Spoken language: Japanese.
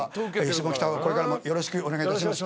下北をこれからもよろしくお願いします。